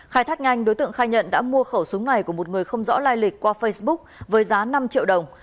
khai thác nhanh đối tượng khai nhận đã mua khẩu súng này của một người không rõ lai lịch qua facebook với giá năm triệu đồng